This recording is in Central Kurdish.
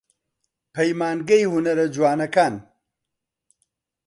پەیمانگەی هونەرە جوانەکان